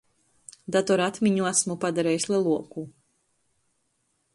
Datora atmiņu asmu padarejs leluoku.